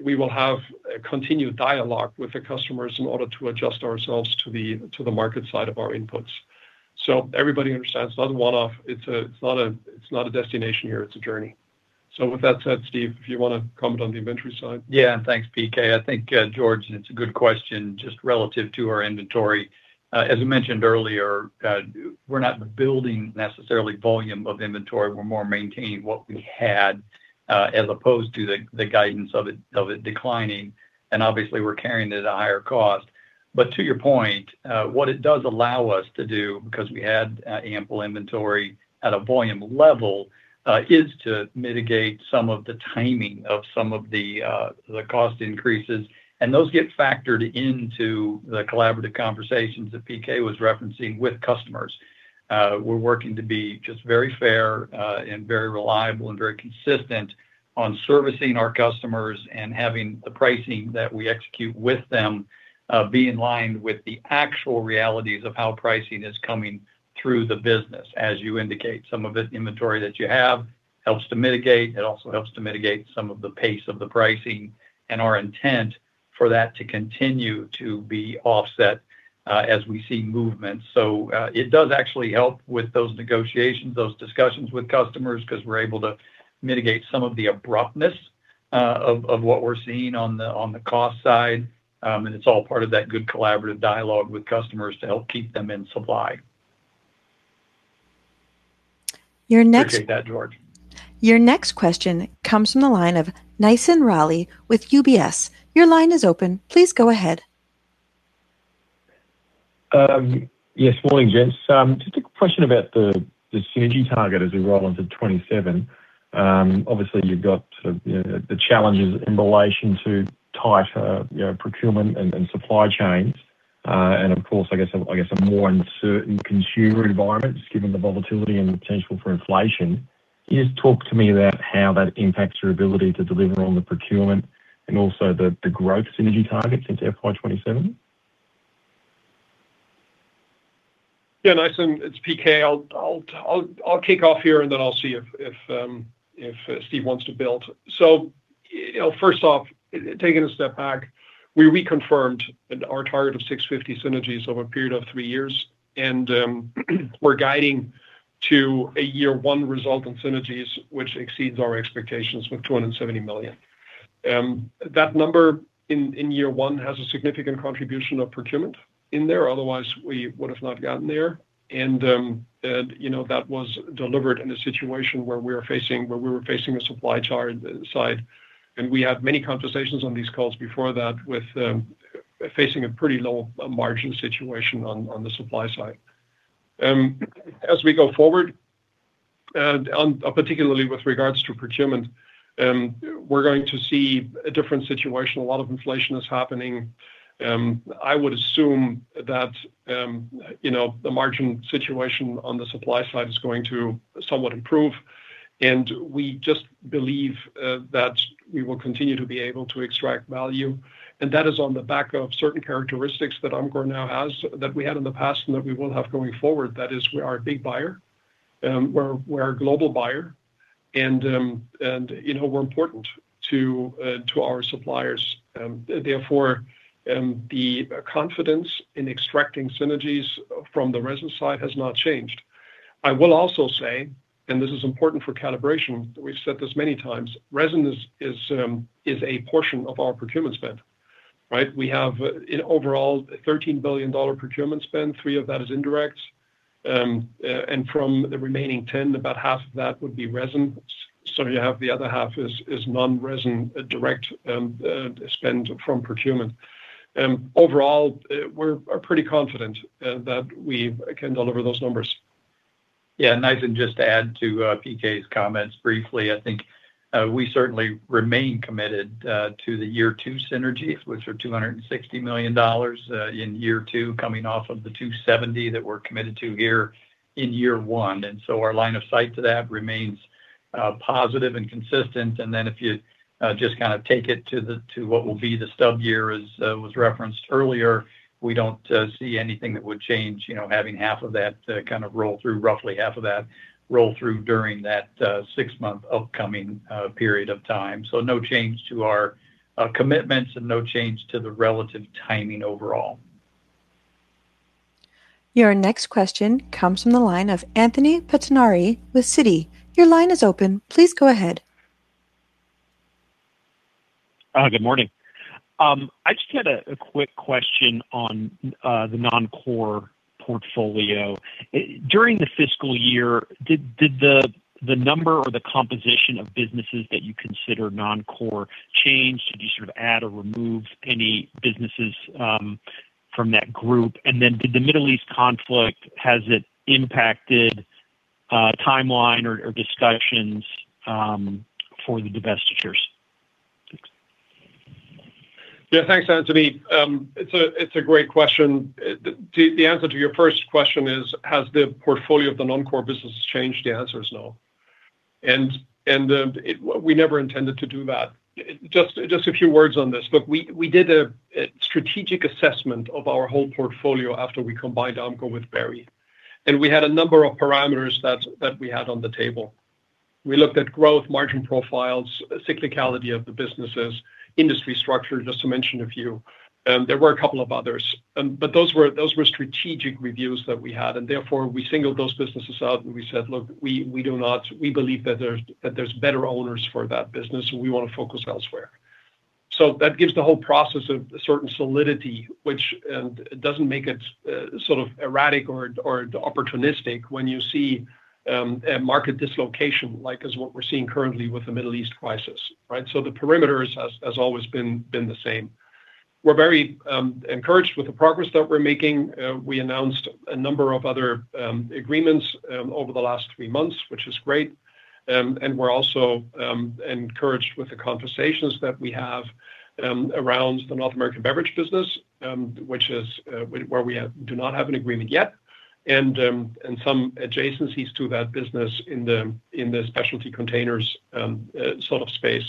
we will have a continued dialogue with the customers in order to adjust ourselves to the, to the market side of our inputs. Everybody understands it's not a one-off. It's not a destination here, it's a journey. With that said, Steve, if you wanna comment on the inventory side. Yeah. Thanks, PK. I think, George, it's a good question just relative to our inventory. As we mentioned earlier, we're not building necessarily volume of inventory. We're more maintaining what we had, as opposed to the guidance of it declining. Obviously, we're carrying it at a higher cost. To your point, what it does allow us to do, because we had ample inventory at a volume level, is to mitigate some of the timing of some of the cost increases and those get factored into the collaborative conversations that PK was referencing with customers. We're working to be just very fair, and very reliable and very consistent on servicing our customers and having the pricing that we execute with them, be in line with the actual realities of how pricing is coming through the business. As you indicate, some of the inventory that you have helps to mitigate. It also helps to mitigate some of the pace of the pricing and our intent for that to continue to be offset, as we see movement. It does actually help with those negotiations, those discussions with customers, 'cause we're able to mitigate some of the abruptness of what we're seeing on the cost side. It's all part of that good collaborative dialogue with customers to help keep them in supply. Your next- Appreciate that, George. Your next question comes from the line of Nathan Reilly with UBS. Your line is open. Please go ahead. Yes, morning, gents. Just a question about the synergy target as we roll into 2027. Obviously you've got the challenges in relation to tighter, you know, procurement and supply chains. Of course, I guess a more uncertain consumer environment, just given the volatility and potential for inflation. Can you just talk to me about how that impacts your ability to deliver on the procurement and also the growth synergy targets into FY 2027? Nathan, it's PK. I'll kick off here, and then I'll see if Steve wants to build. You know, first off, taking a step back, we reconfirmed our target of $650 million synergies over a period of three years. We're guiding to a year one result in synergies which exceeds our expectations with $270 million. That number in year one has a significant contribution of procurement in there, otherwise we would have not gotten there. You know, that was delivered in a situation where we were facing a supply side and we had many conversations on these calls before that with facing a pretty low margin situation on the supply side. As we go forward, particularly with regards to procurement, we're going to see a different situation. A lot of inflation is happening. I would assume that, you know, the margin situation on the supply side is going to somewhat improve, and we just believe that we will continue to be able to extract value. That is on the back of certain characteristics that Amcor now has, that we had in the past, and that we will have going forward. That is, we are a big buyer. We're a global buyer, and, you know, we're important to our suppliers. Therefore, the confidence in extracting synergies from the resin side has not changed. I will also say, this is important for calibration, we've said this many times, resin is a portion of our procurement spend, right? We have in overall $13 billion procurement spend, $3 billion of that is indirect. From the remaining $10 billion, about half of that would be resin. You have the other half is non-resin direct spend from procurement. Overall, we're are pretty confident that we can deliver those numbers. Yeah, I can just add to PK's comments briefly. I think we certainly remain committed to the year two synergies, which are $260 million in year two, coming off of the $270 million that we're committed to here in year one. Our line of sight to that remains positive and consistent. If you just kind of take it to what will be the stub year as was referenced earlier, we don't see anything that would change, you know, having half of that kind of roll through, roughly half of that roll through during that six-month upcoming period of time. No change to our commitments and no change to the relative timing overall. Your next question comes from the line of Anthony Pettinari with Citi. Your line is open. Please go ahead. Good morning. I just had a quick question on the non-core portfolio. During the fiscal year, did the number or the composition of businesses that you consider non-core change? Did you sort of add or remove any businesses from that group? Did the Middle East conflict, has it impacted timeline or discussions for the divestitures? Thanks. Yeah, thanks, Anthony. It's a great question. The answer to your first question is, has the portfolio of the non-core businesses changed? The answer is no. We never intended to do that. A few words on this. Look, we did a strategic assessment of our whole portfolio after we combined Amcor with Berry, and we had a number of parameters that we had on the table. We looked at growth margin profiles, cyclicality of the businesses, industry structure, just to mention a few. There were a couple of others, but those were strategic reviews that we had, and therefore, we singled those businesses out and we said, "Look, we believe that there's better owners for that business, so we wanna focus elsewhere." That gives the whole process a certain solidity, which doesn't make it sort of erratic or opportunistic when you see a market dislocation like as what we're seeing currently with the Middle East crisis, right? The perimeters has always been the same. We're very encouraged with the progress that we're making. We announced a number of other agreements over the last three months, which is great. We're also encouraged with the conversations that we have around the North American beverage business, which is where we do not have an agreement yet, and some adjacencies to that business in the specialty containers sort of space.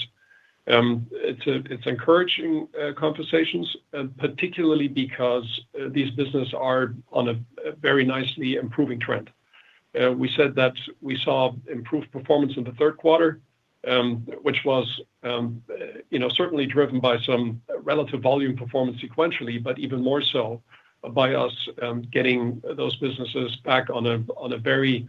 It's encouraging conversations particularly because these businesses are on a very nicely improving trend. We said that we saw improved performance in the third quarter, which was, you know, certainly driven by some relative volume performance sequentially, but even more so by us getting those businesses back on a very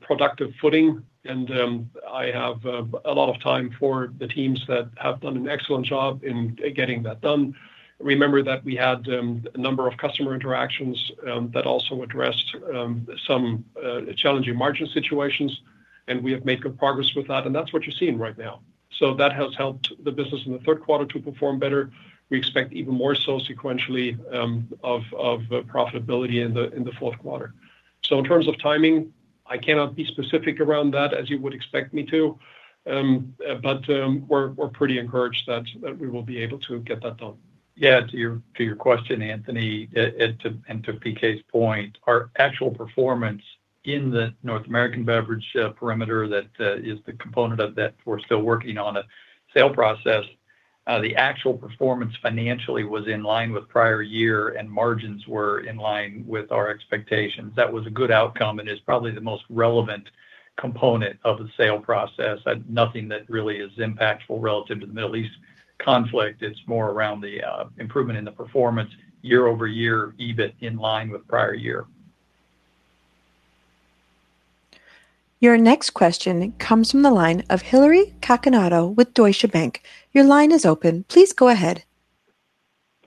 productive footing. I have a lot of time for the teams that have done an excellent job in getting that done. Remember that we had a number of customer interactions that also addressed some challenging margin situations, and we have made good progress with that, and that's what you're seeing right now and so that has helped the business in the third quarter to perform better. We expect even more so sequentially of profitability in the fourth quarter. In terms of timing, I cannot be specific around that as you would expect me to. We're pretty encouraged that we will be able to get that done. Yeah. To your question, Anthony, and to PK's point, our actual performance in the North American beverage perimeter that is the component of that, we're still working on a sale process. The actual performance financially was in line with prior year, and margins were in line with our expectations. That was a good outcome and is probably the most relevant component of the sale process and nothing that really is impactful relative to the Middle East conflict. It's more around the improvement in the performance year-over-year, EBIT in line with prior year. Your next question comes from the line of Hillary Cacanando with Deutsche Bank. Your line is open. Please go ahead.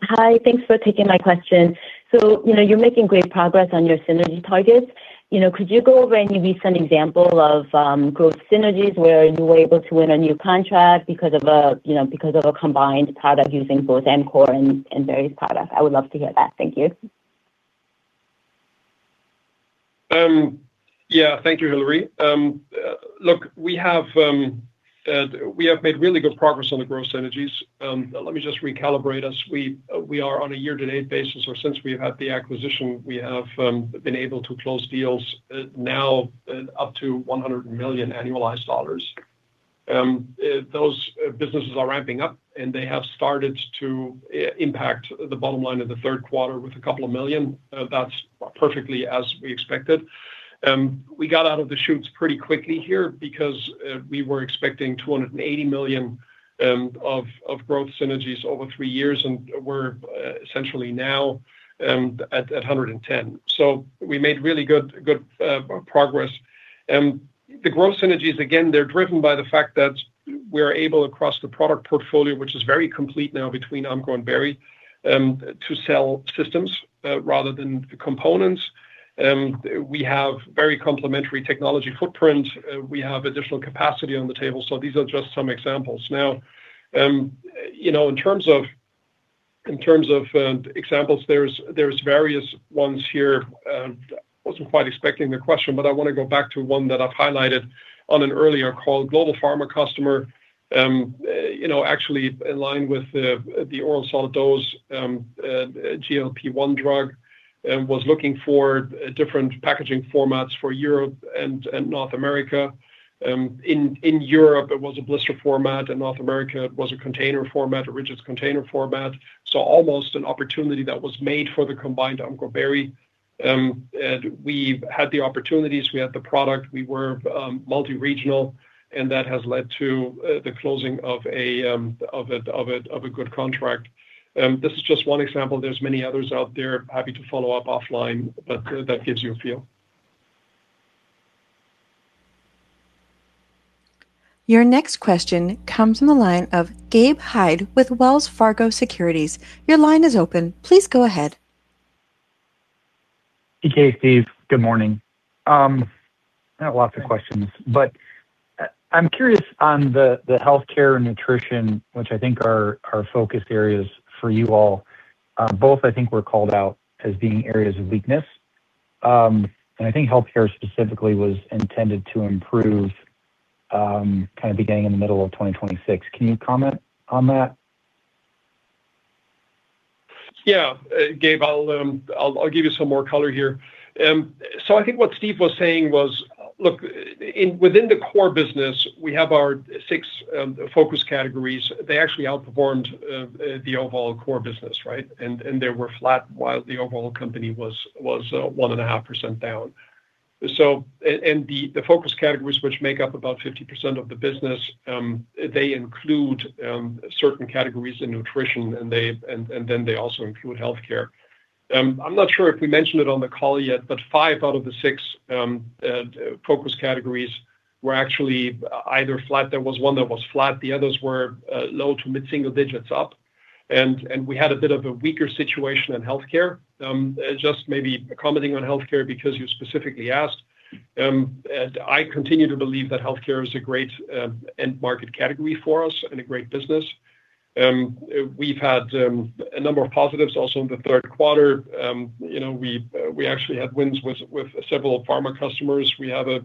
Hi. Thanks for taking my question. You know, you're making great progress on your synergy targets. You know, could you go over any recent example of growth synergies where you were able to win a new contract because of a combined product using both Amcor and Berry product? I would love to hear that. Thank you. Yeah. Thank you, Hillary. Look, we have made really good progress on the growth synergies. Let me just recalibrate us. We are on a year-to-date basis, or since we've had the acquisition, we have been able to close deals, now, up to $100 million annualized. Those businesses are ramping up, and they have started to impact the bottom line of the third quarter with a couple of million and that's perfectly as we expected. We got out of the shoots pretty quickly here because we were expecting $280 million of growth synergies over three years, and we're essentially now at $110 million so we made really good progress. The growth synergies, again, they're driven by the fact that we're able across the product portfolio, which is very complete now between Amcor and Berry Global, to sell systems, rather than the components. We have very complementary technology footprint and we have additional capacity on the table so these are just some examples. You know, in terms of examples, there's various ones here. Wasn't quite expecting the question, but I wanna go back to one that I've highlighted on an earlier call. Global pharma customer, you know, actually in line with the oral solid dose, the GLP-1 drug, was looking for different packaging formats for Europe and North America. In Europe it was a blister format. In North America it was a container format, a rigid container format Almost an opportunity that was made for the combined Amcor and Berry. We've had the opportunities, we had the product, we were multi-regional, and that has led to the closing of a good contract. This is just one example. There's many others out there. Happy to follow up offline, that gives you a feel. Your next question comes from the line of Gabe Hajde with Wells Fargo Securities. Your line is open. Please go ahead. Hey, PK, Steve. Good morning. I have lots of questions, but I'm curious on the healthcare and nutrition, which I think are focused areas for you all. Both I think were called out as being areas of weakness. I think healthcare specifically was intended to improve, kind of beginning in the middle of 2026. Can you comment on that? Yeah. Gabe, I'll give you some more color here. I think what Steve was saying was, look, within the core business we have our six focus categories. They actually outperformed the overall core business, right? They were flat while the overall company was 1.5% down. The focus categories, which make up about 50% of the business, they include certain categories in nutrition, and then they also include healthcare. I'm not sure if we mentioned it on the call yet, but five out of the six focus categories were actually either flat. There was one that was flat, the others were low to mid-single digits up and we had a bit of a weaker situation in healthcare. Just maybe commenting on healthcare because you specifically asked. I continue to believe that healthcare is a great end market category for us and a great business. We've had a number of positives also in the third quarter. You know, we actually had wins with several pharma customers. We have a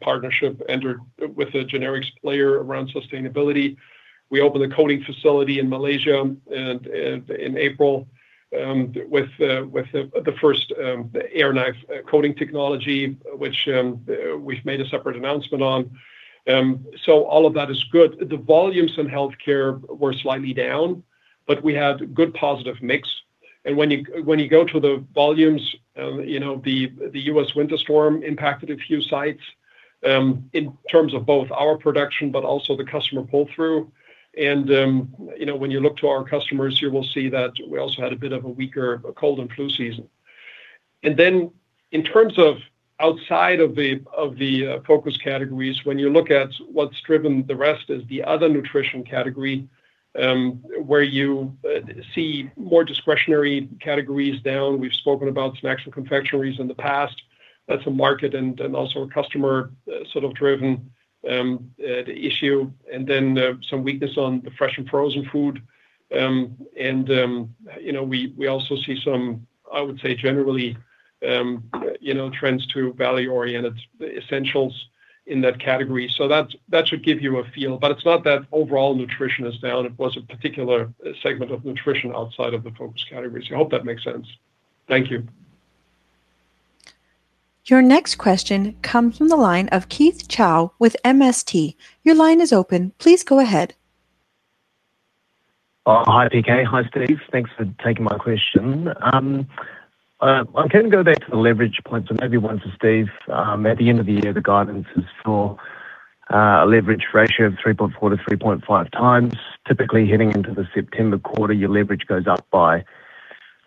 partnership entered with a generics player around sustainability. We opened a coating facility in Malaysia in April with the first air knife coating technology, which we've made a separate announcement on. All of that is good. The volumes in healthcare were slightly down, but we had good positive mix. When you go to the volumes, you know, the U.S. winter storm impacted a few sites in terms of both our production but also the customer pull-through. You know, when you look to our customers, you will see that we also had a bit of a weaker cold and flu season. In terms of outside of the focus categories, when you look at what's driven the rest is the other nutrition category, where you see more discretionary categories down. We've spoken about snacks and confectionaries in the past. That's a market and also a customer sort of driven the issue and then some weakness on the fresh and frozen food. You know, we also see some, I would say, generally, you know, trends to value-oriented essentials in that category. That should give you a feel. It's not that overall nutrition is down. It was a particular segment of nutrition outside of the focus categories. I hope that makes sense. Thank you. Your next question comes from the line of Keith Chau with MST. Your line is open. Please go ahead. Hi PK, hi Steve. Thanks for taking my question. I can go back to the leverage points, and maybe one to Steve. At the end of the year, the guidance is for a leverage ratio of 3.4x-3.5x. Typically heading into the September quarter, your leverage goes up by,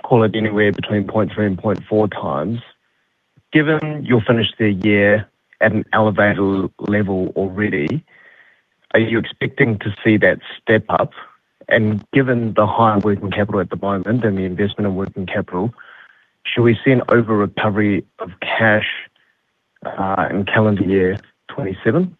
call it anywhere between 0.3x and 0.4x. Given you'll finish the year at an elevated level already, are you expecting to see that step up? Given the higher working capital at the moment and the investment in working capital, should we see an over-recovery of cash in calendar year 2027?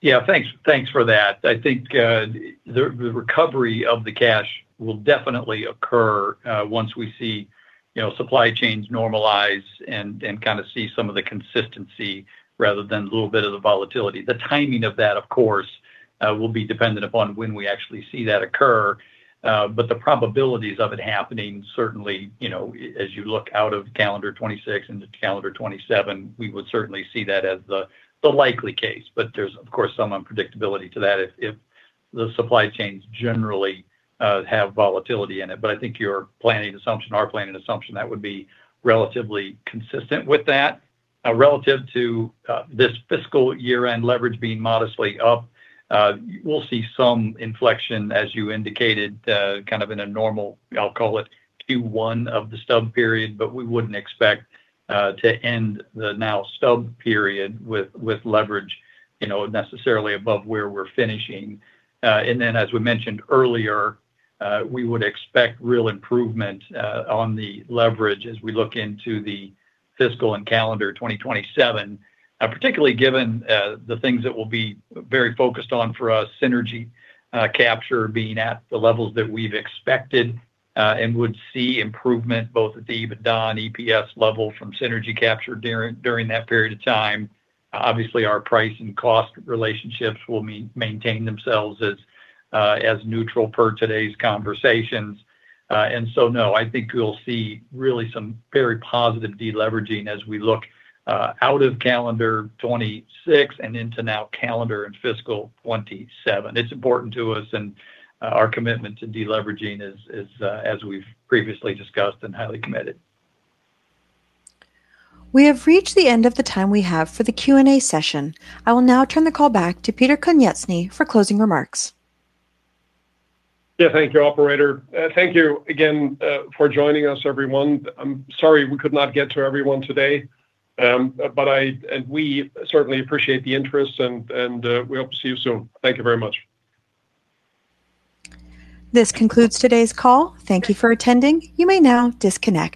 Yeah, thanks for that. I think the recovery of the cash will definitely occur once we see, you know, supply chains normalize and kind of see some of the consistency rather than the little bit of the volatility. The timing of that, of course, will be dependent upon when we actually see that occur. The probabilities of it happening certainly, you know, as you look out of calendar 2026 into calendar 2027, we would certainly see that as the likely case. There's, of course, some unpredictability to that if the supply chains generally have volatility in it. I think your planning assumption, our planning assumption, that would be relatively consistent with that. Relative to this fiscal year-end leverage being modestly up, we'll see some inflection, as you indicated, kind of in a normal, I'll call it, Q1 of the stub period, but we wouldn't expect to end the now stub period with leverage, you know, necessarily above where we're finishing and then as we mentioned earlier, we would expect real improvement on the leverage as we look into the fiscal and calendar 2027, particularly given the things that we'll be very focused on for our synergy capture being at the levels that we've expected, and would see improvement both at the EBITDA and EPS level from synergy capture during that period of time. Obviously, our price and cost relationships will maintain themselves as neutral per today's conversations. No, I think we'll see really some very positive deleveraging as we look out of calendar 2026 and into now calendar and fiscal 2027. It's important to us and our commitment to deleveraging is as we've previously discussed and highly committed. We have reached the end of the time we have for the Q&A session. I will now turn the call back to Peter Konieczny for closing remarks. Yeah. Thank you, operator. Thank you again for joining us, everyone. I'm sorry we could not get to everyone today. We certainly appreciate the interest, and we hope to see you soon. Thank you very much. This concludes today's call. Thank you for attending. You may now disconnect.